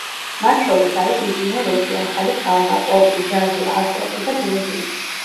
მათ შორის არის მძიმე როკი, ახალი ტალღა, პოპი, ჯაზი, არტ-როკი და ბლუზი.